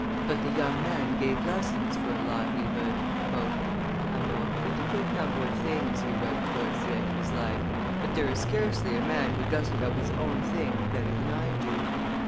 But the young man gave lessons for a livelihood. "I know a pretty good number of things," he wrote towards the end of his life, "but there is scarcely a man who doesn't know his own thing better than I do.